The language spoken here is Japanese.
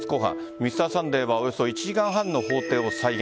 「Ｍｒ．サンデー」はおよそ１時間半の法廷を再現。